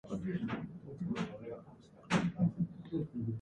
だけど、ゴミの山はただのゴミ山ではなかった、鉱脈の眠る鉱山だった